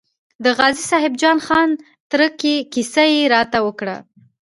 د غازي صاحب جان خان تره کې کیسه یې راته وکړه.